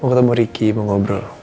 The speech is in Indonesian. mau ketemu riki mau ngobrol